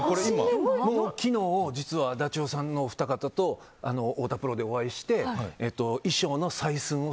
昨日、実はダチョウさんのお二方と太田プロでお会いしてえー！